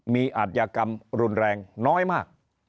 มีอาจยากรรมรุนแรงน้อยมาก